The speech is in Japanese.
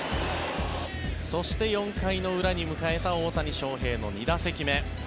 そして、４回の裏に迎えた大谷翔平の２打席目。